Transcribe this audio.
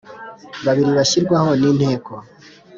babiri bashyirwaho n inteko